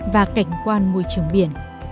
và cảnh quan môi trường biển